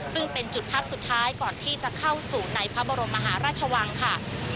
ซึ่งเป็นจุดพักสุดท้ายก่อนที่จะเข้าสู่ในพระบรมมหาราชวังค่ะ